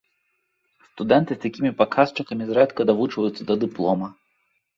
Студэнты з такімі паказчыкамі зрэдку давучваюцца да дыплома.